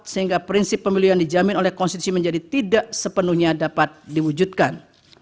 sehingga prinsip pemilu yang dijamin oleh konstitusi menjadi tidak sepenuhnya dapat diwujudkan